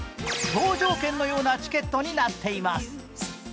搭乗券のようなチケットになっています。